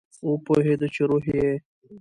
وپوهیده چې روح یې